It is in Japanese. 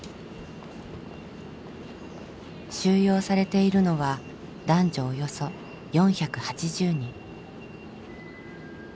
収容されているのは男女およそ４８０人。